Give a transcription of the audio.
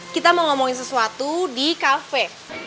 kita mau ngomongin sesuatu di kafe